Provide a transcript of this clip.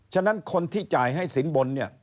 ฉะนั้นคนที่จ่ายให้สินบนเนี่ย